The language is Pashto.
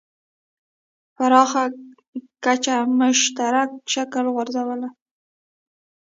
پراخه کچه مشترک شکل غورځولی.